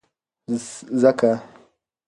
ځکه